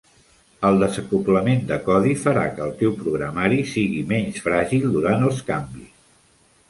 El desacoblament de codi farà que el teu programari sigui menys fràgil durant els canvis.